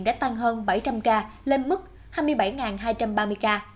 đã tăng hơn bảy trăm linh ca lên mức hai mươi bảy hai trăm ba mươi ca